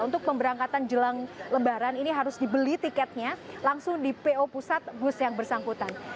untuk pemberangkatan jelang lebaran ini harus dibeli tiketnya langsung di po pusat bus yang bersangkutan